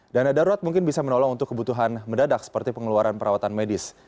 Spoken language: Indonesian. dana darurat mungkin bisa menolong untuk kebutuhan mendadak seperti pengeluaran perawatan medis